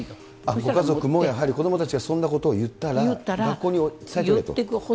ご家族もやっぱり、子どもたちがそんなことを言ったら、学校に伝えてくれと。